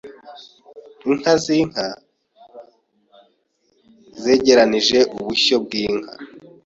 Inka z'inka zegeranije ubushyo bw'inka.